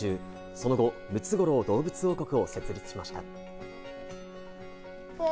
その後、ムツゴロウ動物王国を設立しました。